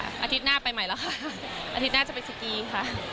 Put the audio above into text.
อาทิตย์หน้าไปใหม่แล้วค่ะอาทิตย์หน้าจะไปสกีค่ะ